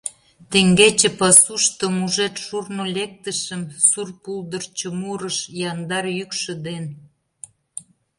Теҥгече пасушто, мужед шурно лектышым, Сур пулдырчо мурыш яндар йӱкшӧ ден.